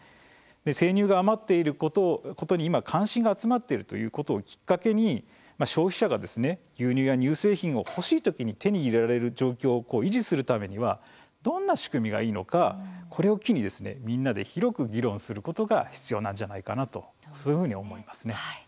生乳が余っていることに今、関心が集まっているということをきっかけに消費者が牛乳や乳製品を欲しい時に手に入れられる状況を維持するためにはどんな仕組みがいいのかこれを機にみんなで広く議論することが必要なんじゃないかなとそういうふうに思いますね。